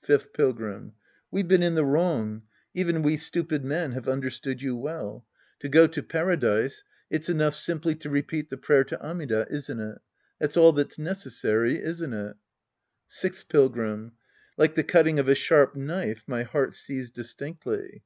Fifth Pilgrim. We've been in the wrong. Even we stupid men ha', e un.derstood you well. To go to Act il The Priest and His Disciples 91 Paradise, it's enough simply to repeat tlie prayer to Amida, isn't it? That's all that's necessary, isn't it ? Sixth Pilgrim. like the cutting of a sharp knife, my heart sees distinctly.